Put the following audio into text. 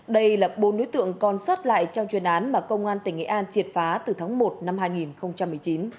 đây là bốn đối tượng còn sót lại trong chuyên án mà công an tỉnh nghệ an triệt phá từ tháng một năm hai nghìn một mươi chín